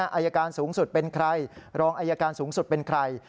อายการสูงสุดเป็นใครรองอายการสูงสุดเป็นใคร